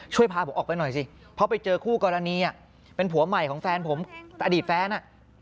พาผมออกไปหน่อยสิเพราะไปเจอคู่กรณีเป็นผัวใหม่ของแฟนผมอดีตแฟนอ่ะ